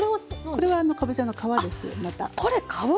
これかぼちゃの皮なんですね！